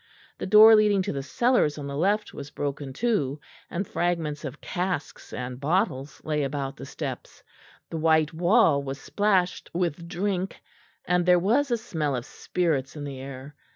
The door leading to the cellars on the left was broken too; and fragments of casks and bottles lay about the steps; the white wall was splashed with drink, and there was a smell of spirits in the air.